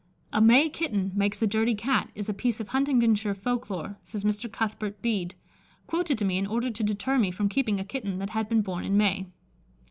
"'A May kitten makes a dirty Cat,' is a piece of Huntingdonshire folk lore," says Mr. Cuthbert Bede, "quoted to me in order to deter me from keeping a kitten that had been born in May."